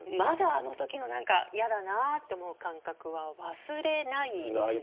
あのときの嫌だなと思う感覚は忘れないです。